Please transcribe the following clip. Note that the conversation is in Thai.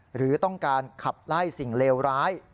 หรือต้องการขับไล่สิ่งเลวร้าย